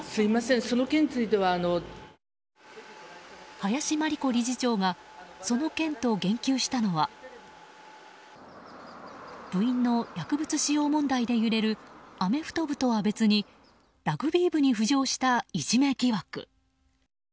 林真理子理事長がその件と言及したのが部員の薬物使用問題で揺れるアメフト部とは別にラグビー部に浮上したいじめ疑惑。